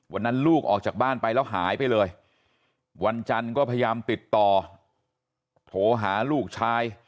ลูกออกจากบ้านไปแล้วหายไปเลยวันจันทร์ก็พยายามติดต่อโทรหาลูกชาย